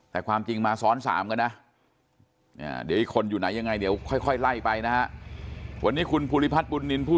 แต่ความจริงมาซ้อน๓กันนะเดี๋ยวอีกคนอยู่ไหนยังไงเดี๋ยวค่อยไล่ไปนะฮะวันนี้คุณภูริพัฒนบุญนินทร์ผู้